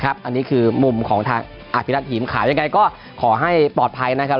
อันนี้คือมุมของทางอภิรัติหิมขาวยังไงก็ขอให้ปลอดภัยนะครับ